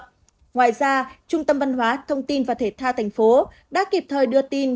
ngoài ra trung tâm văn hóa thông tin và thể tha tp hcm đã kịp thời đưa tin